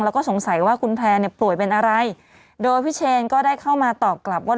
แล้วก็สงสัยว่าคุณแพร่เนี่ยป่วยเป็นอะไรโดยพี่เชนก็ได้เข้ามาตอบกลับว่า